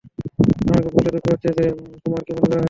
আমার বলতে দুঃখ হচ্ছে যে কুমারকে বন্দী করা হয়েছে।